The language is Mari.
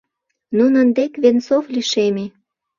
Нунын дек Венцов лишеме.